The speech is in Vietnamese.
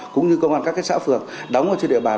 cũng như công an các xã phường đóng ở trên địa bàn